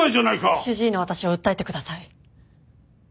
主治医の私を訴えてください。